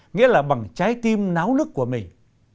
nghĩa là bằng trái tim náo lức của mình